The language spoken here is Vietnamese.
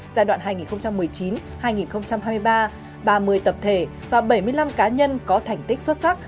giai đoạn hai nghìn một mươi chín hai nghìn hai mươi ba ba mươi tập thể và bảy mươi năm cá nhân có thành tích xuất sắc